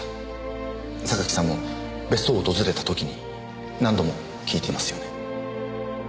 榊さんも別荘を訪れたときに何度も聞いていますよね？